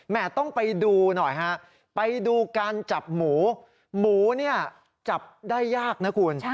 ต้องไปดูหน่อยฮะไปดูการจับหมูหมูเนี่ยจับได้ยากนะคุณ